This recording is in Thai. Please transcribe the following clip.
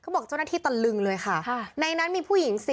บอกเจ้าหน้าที่ตะลึงเลยค่ะในนั้นมีผู้หญิง